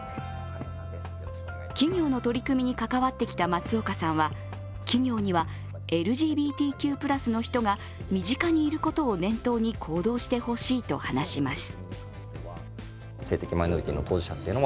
企業の取り組みに関わってきた松岡さんは企業にはＬＧＢＴＱ＋の人が身近にいることを念頭に行動してほしいと話します。